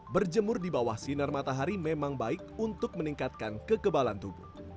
berjemur di bawah sinar matahari memang baik untuk meningkatkan kekebalan tubuh